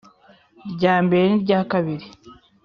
rya mbere, nirya kabiri